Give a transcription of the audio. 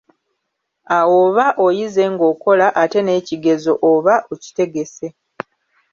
Awo oba oyize ng'okola, ate n'ekigezo oba okitegese.